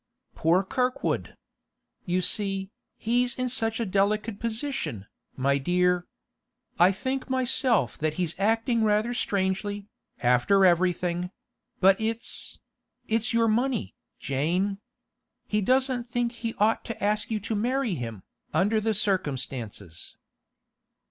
'Poor Kirkwood! You see, he's in such a delicate position, my dear. I think myself that he's acting rather strangely, after everything; but it's—it's your money, Jane. He doesn't think he ought to ask you to marry him, under the circumstances.